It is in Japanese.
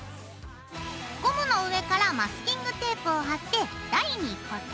ゴムの上からマスキングテープを貼って台に固定。